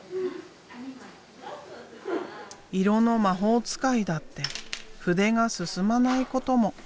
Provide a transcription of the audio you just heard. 色の魔法使いだって筆が進まないことも。